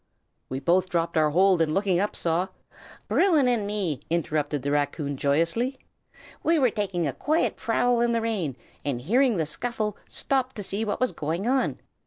"We both dropped our hold, and looking up, saw " "Bruin and me!" interrupted the raccoon, joyously. "We were taking a quiet prowl in the rain, and hearing the scuffle, stopped to see what was going on.